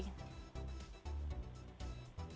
selamat sore bu